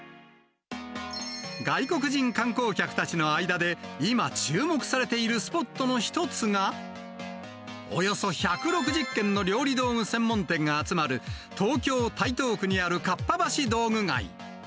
外国人観光客たちの間で、今注目されているスポットの一つが、およそ１６０軒の料理道具専門店が集まる、東京・台東区にあるかっぱ橋道具街。